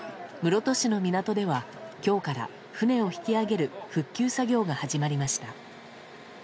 室戸市の港では今日から船を引き揚げる復旧作業が始まりました。